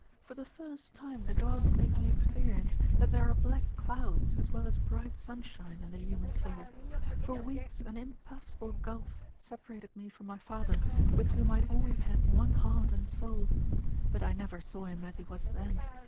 For the first time the gods made me experience that there are black clouds, as well as bright sunshine, in the human soul. For weeks an impassable gulf separated me from my father, with whom I had always had one heart and soul. But I never saw him as he was then.